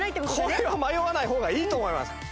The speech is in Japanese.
これは迷わない方がいいと思います